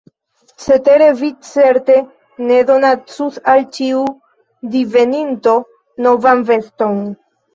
Cetere vi certe ne donacus al ĉiu diveninto novan veston.